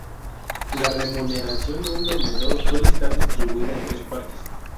La remuneración de un vendedor suele estar distribuida en tres partes.